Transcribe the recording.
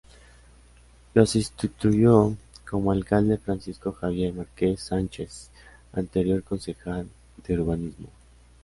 Lo sustituyó como alcalde Francisco Javier Márquez Sánchez, anterior concejal de urbanismo.